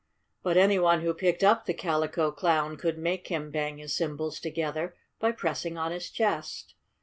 But any one who picked up the Calico Clown could make him bang his cymbals together by pressing on his chest.